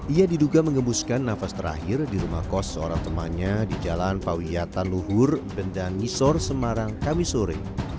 ia diduga mengembuskan nafas terakhir di rumah kos seorang temannya di jalan pawiyatan luhur bendan nisor semarang kamisore